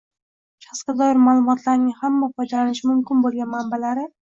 shaxsga doir ma’lumotlarning hamma foydalanishi mumkin bo‘lgan manbalari